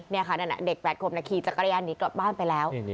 นี่ค่ะนั่นเด็ก๘ขวบขี่จักรยานหนีกลับบ้านไปแล้ว